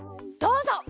どうぞ！